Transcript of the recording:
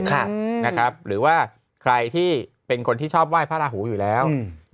ค่ะนะครับหรือว่าใครที่เป็นคนที่ชอบไหว้พระหูอยู่แล้วอืม